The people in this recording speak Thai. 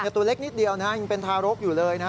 ตัวเล็กนิดเดียวยังเป็นทารกอยู่เลย